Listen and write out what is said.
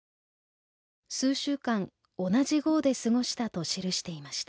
数週間同じ壕で過ごしたと記していました。